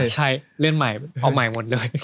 ใช่เล่นใหม่เอาใหม่หมดเลย